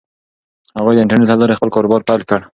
هغوی د انټرنیټ له لارې خپل کاروبار پیل کړ.